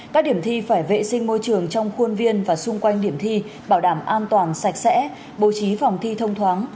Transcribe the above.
các điểm thi phải vệ sinh môi trường trong khuôn viên và xung quanh điểm thi bảo đảm an toàn sạch sẽ bố trí phòng thi thông thoáng